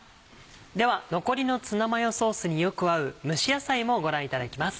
では残りのツナマヨソースによく合う蒸し野菜もご覧いただきます。